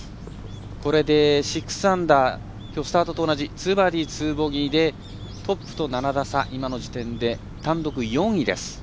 これで６アンダーきょうスタートと同じ２バーディー、２ボギーでトップと７打差、今の時点で単独４位です。